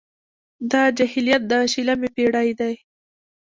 دا جاهلیت د شلمې پېړۍ دی.